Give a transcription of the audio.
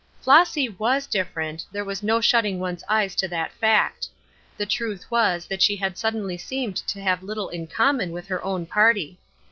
Flossy was different; there was no shutting one's eyes to that fact. The truth was that she had suddenly seemed to have little in common with her own party.